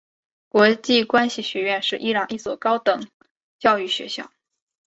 国际关系学院是伊朗一所高等教育学校。